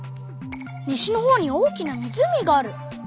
西のほうに大きな湖がある！